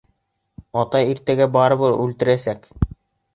Атай иртәгә барыбер үлтерәсәк!..